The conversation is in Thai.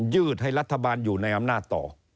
ยืดให้รัฐบาลอยู่ในอำนาจต่อ